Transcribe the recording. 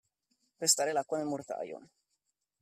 Pestare l'acqua nel mortaio.